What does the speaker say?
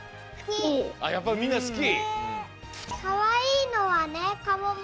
やっぱりみんなすき？